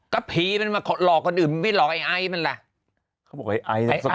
ก็พีมันมักหลอกคนอื่นไม่หลอกไอ้ไอ๊มันแหละ